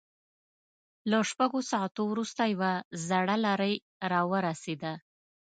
له شپږو ساعتونو وروسته يوه زړه لارۍ را ورسېده.